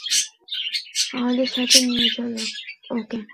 আমাদের সাথে নিয়ে চলো, ওকে?